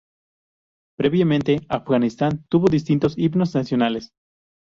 Previamente, Afganistán tuvo distintos himnos nacionales.